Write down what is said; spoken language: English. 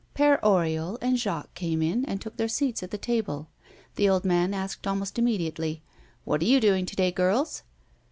Père Oriol and Jacques came in, and took their seats at the table. The old man asked almost immediately: "What are you doing to day, girls?"